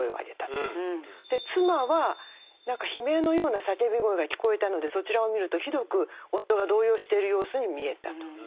妻は悲鳴のような叫び声が聞こえたのでそちらを見るとひどく夫が動揺している様子に見えたと。